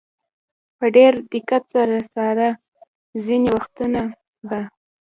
په ډېر دقت سره څاره، ځینې وختونه به.